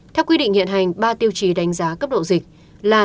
theo quy định hiện hành ba tiêu chí đánh giá cấp độ dịch là